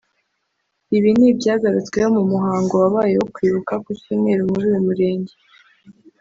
Ibi ni ibyagarutsweho mu muhango wabaye wo kwibuka ku cyumweru muri uyu murenge